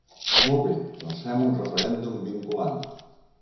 Molt bé, doncs fem un referèndum vinculant.